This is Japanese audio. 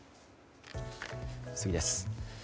次です。